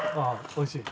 おいしい？